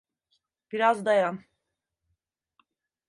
Biraz dayan.